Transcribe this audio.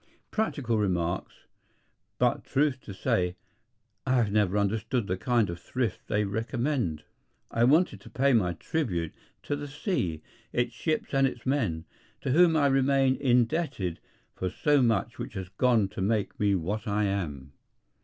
Practical remarks. But, truth to say, I have never understood the kind of thrift they recommend. I wanted to pay my tribute to the sea, its ships and its men, to whom I remain indebted for so much which has gone to make me what I am.